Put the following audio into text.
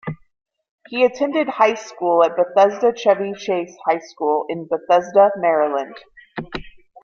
He attended high school at Bethesda-Chevy Chase High School, in Bethesda, Maryland.